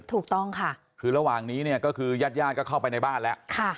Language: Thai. ถูกต้องค่ะคือระหว่างนี้เนี่ยก็คือญาติญาติก็เข้าไปในบ้านแล้ว